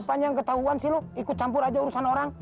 apa yang ketauan sih lo ikut campur aja urusan orang